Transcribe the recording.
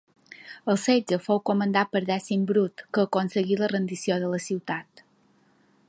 El setge fou comandat per Dècim Brut, que aconseguí la rendició de la ciutat.